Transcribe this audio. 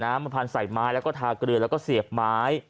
มาพันใส่ไม้แล้วก็ทาเกลือแล้วก็เสียบไม้